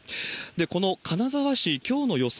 この金沢市、きょうの予想